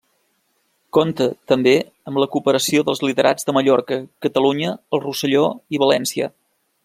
Compta, també, amb la cooperació dels literats de Mallorca, Catalunya, el Rosselló i València.